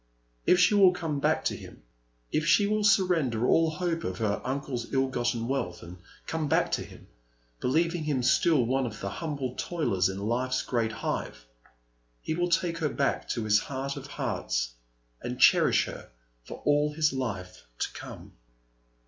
If she will come back to him — if she will surrender all hope of her uncle's ill gotten wealth, and come back to him, believing him still one of the humble toilers in life's great hive, he will take her back to his heart of hearts, and cherish her for all his life to come.